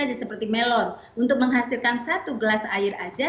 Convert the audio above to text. airnya saja seperti melon untuk menghasilkan satu gelas air saja